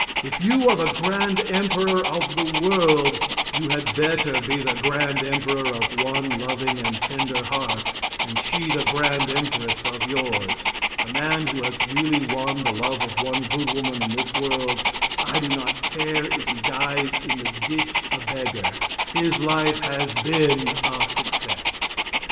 If you are the grand emperor of the world, you had better be the grand emperor of one loving and tender heart, and she the grand empress of yours. The man who has really won the love of one good woman in this world, I do not care if he dies in the ditch a beggar, his life has been a success.